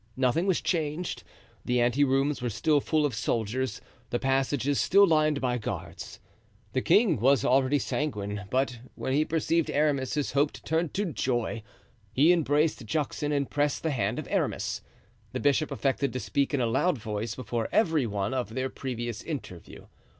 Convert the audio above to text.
Nothing was changed. The ante rooms were still full of soldiers, the passages still lined by guards. The king was already sanguine, but when he perceived Aramis his hope turned to joy. He embraced Juxon and pressed the hand of Aramis. The bishop affected to speak in a loud voice, before every one, of their previous interview.